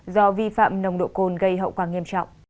do vi phạm nồng độ cồn gây hậu quả nghiêm trọng